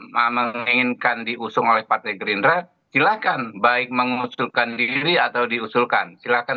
menginginkan diusung oleh partai gerindra silakan baik mengusulkan diri atau diusulkan silahkan